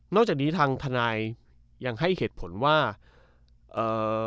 จากนี้ทางทนายยังให้เหตุผลว่าเอ่อ